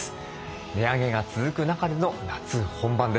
値上げが続く中での夏本番です。